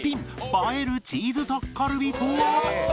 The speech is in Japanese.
映えるチーズタッカルビとは？